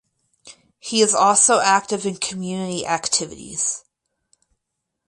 He is also active in community activities.